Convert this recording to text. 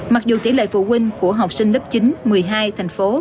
mặc dù tỷ lệ phụ huynh của học sinh lớp chín một mươi hai thành phố